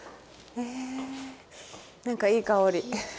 ええ何かいい香り。